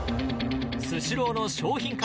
スシローの商品